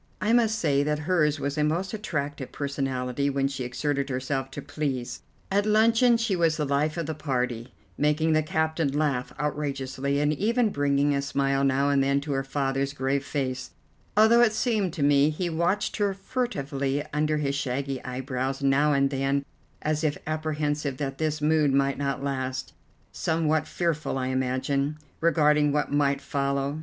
I must say that hers was a most attractive personality when she exerted herself to please. At luncheon she was the life of the party, making the captain laugh outrageously, and even bringing a smile now and then to her father's grave face, although it seemed to me he watched her furtively under his shaggy eyebrows now and then as if apprehensive that this mood might not last, somewhat fearful, I imagine, regarding what might follow.